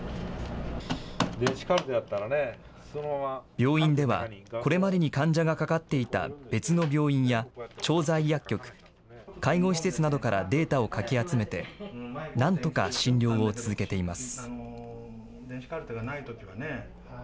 病院では、これまでに患者がかかっていた別の病院や調剤薬局、介護施設などからデータをかき集めて、なんとか診療を続けています。